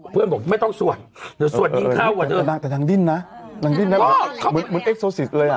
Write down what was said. เพื่อนบอกไม่ต้องสวดจะสวดดิ้งเข้าอีกแบบนั้นแต่ดิ้นน่ะดิ้นแบบเหมือน